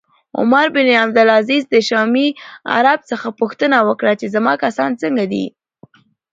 عمر بن عبدالعزیز د شامي عرب څخه پوښتنه وکړه چې زما کسان څنګه دي